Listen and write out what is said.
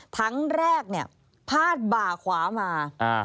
ถังแรกพาดบ่าขวามา